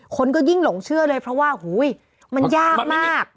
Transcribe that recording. คนก็ยิ่งหลงเชื่อเลยเพราะว่ามันยากมาก